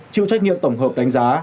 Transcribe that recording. chịu trách nhiệm tổng hợp đánh giá